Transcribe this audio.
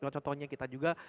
contohnya kita juga